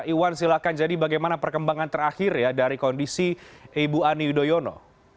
iwan silahkan jadi bagaimana perkembangan terakhir ya dari kondisi ibu ani yudhoyono